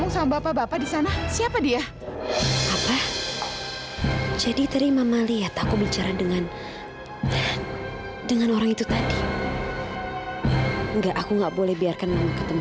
sampai jumpa di video selanjutnya